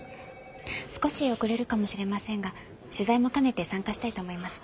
少し遅れるかもしれませんが取材も兼ねて参加したいと思います。